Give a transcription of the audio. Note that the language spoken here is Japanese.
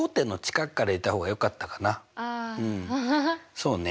そうね